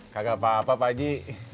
gak apa apa pak ji